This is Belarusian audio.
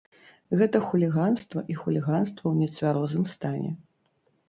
Гэта хуліганства і хуліганства ў нецвярозым стане.